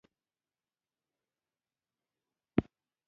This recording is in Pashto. د وګړو باطني ښېګڼه پټه ده او د ارزونې لاره نه لري.